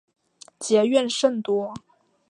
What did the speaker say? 结怨甚多。